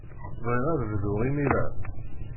Bɣiɣ ad bduɣ imir-a.